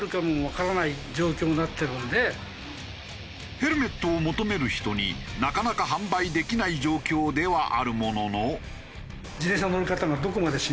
ヘルメットを求める人になかなか販売できない状況ではあるものの。